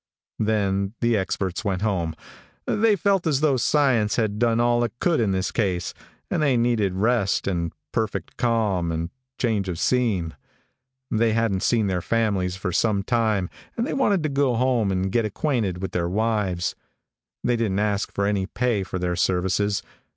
Then the experts went home. They felt as though science had done all it could in this case, and they needed rest, and perfect calm, and change of scene. They hadn't seen their families for some time, and they wanted to go home and get acquainted with their wives. They didn't ask for any pay for their services.